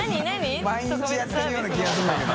毎日やってるような気がするんだけど。